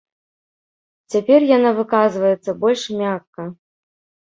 Цяпер яна выказваецца больш мякка.